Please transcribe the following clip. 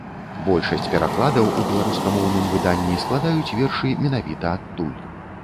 Большасць перакладаў у беларускамоўным выданні складаюць вершы менавіта адтуль.